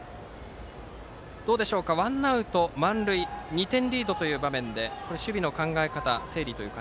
ワンアウト満塁２点リードという場面で守備の考え方